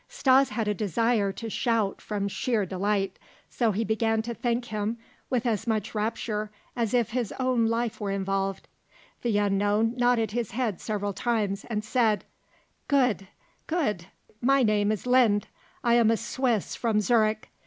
Stas had a desire to shout from sheer delight, so he began to thank him with as much rapture as if his own life were involved. The unknown nodded his head several times, and said: "Good, good, my name is Linde; I am a Swiss from Zurich.